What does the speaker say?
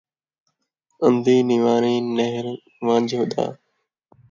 اندھی نواݨی، نہیرݨ ونجھ دا